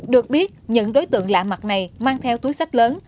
được biết những đối tượng lạ mặt này mang theo túi sách lớn